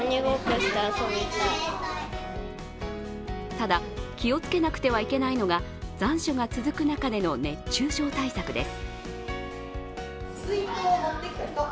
ただ気をつけなくてはいけないのが残暑が続く中での熱中症対策です。